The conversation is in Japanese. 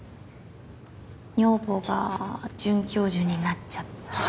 女房が准教授になっちゃったら。